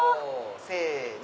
せの。